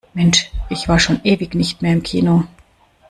Mensch, ich war schon ewig nicht mehr im Kino.